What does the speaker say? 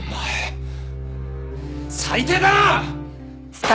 最低だな！